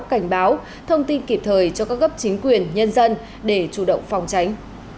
cảnh báo thông tin kịp thời cho các cấp chính quyền nhân dân để chủ động phòng tránh